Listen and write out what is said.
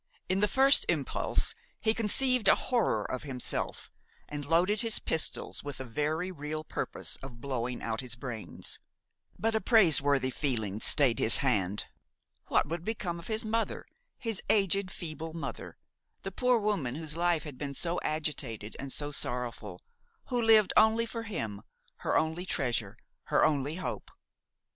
In the first impulse, he conceived a horror of himself and loaded his pistols with a very real purpose of blowing out his brains; but a praiseworthy feeling stayed his hand. What would become of his mother, his aged, feeble mother, the poor woman whose life had been so agitated and so sorrowful, who lived only for him, her only treasure, her only hope?